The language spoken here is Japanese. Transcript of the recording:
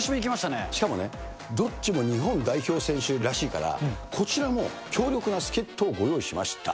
しかもね、どっちも日本代表選手らしいから、こちらも強力な助っ人をご用意しました。